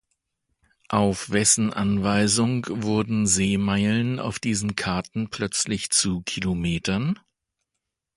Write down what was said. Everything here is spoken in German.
Auf wessen Anweisung wurden Seemeilen auf diesen Karten plötzlich zu Kilometern?